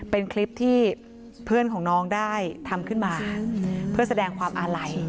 เป็นคลิปที่เพื่อนของน้องได้ทำขึ้นมาเพื่อแสดงความอาลัย